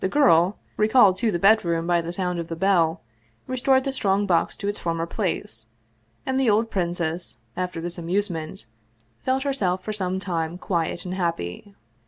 The girl, re called to the bedroom by the sound of the bell, restored the strong box to its former place, and the old princess, after this amusement, felt herself for some time quiet and happy.